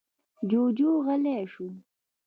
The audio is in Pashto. جُوجُو غلی شو.